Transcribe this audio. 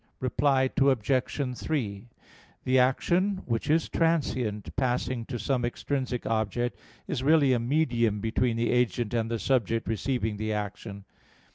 Reply Obj. 3: The action which is transient, passing to some extrinsic object, is really a medium between the agent and the subject receiving the action.